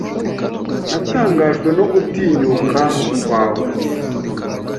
Natangajwe no gutinyuka kwawe.